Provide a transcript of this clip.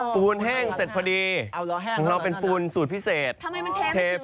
ฟูนแห้งเซ็ดพอดีเราเป็นฟูนสูตรพิเศษทำไมมันเทไม่จริงวินาที